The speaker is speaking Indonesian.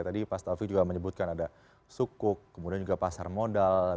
tadi pak selfie juga menyebutkan ada sukuk kemudian juga pasar modal